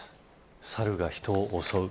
サルが人を襲う。